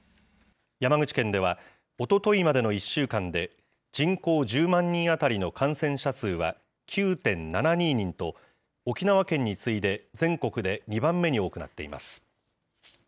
山口県では、おとといまでの１週間で、人口１０万人当たりの感染者数は９．７２人と、沖縄県に次いで全国で２番目に多くなっています。